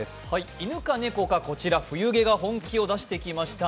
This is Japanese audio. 犬か猫か、こちら「冬毛が本気出してきた」